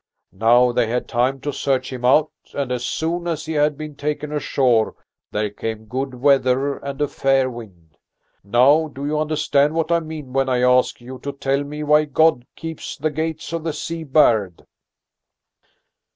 Now they had time to search him out, and as soon as he had been taken ashore there came good weather and a fair wind. Now do you understand what I mean when I ask you to tell me why God keeps the gates of the sea barred?"